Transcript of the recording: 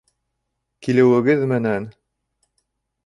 Килеүегеҙ менән!